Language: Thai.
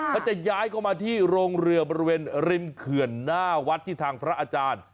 เขาจะย้ายเข้ามาที่โรงเรือบริเวณริมเขื่อนหน้าวัดที่ทางพระอาจารย์